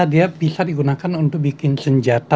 dia bisa digunakan untuk bikin senjata